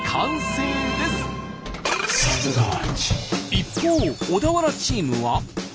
一方小田原チームは。